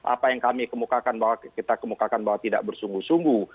apa yang kami kemukakan bahwa tidak bersungguh sungguh